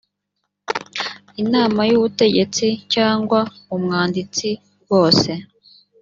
inama y ubutegetsi cyangwa umwanditsi bwose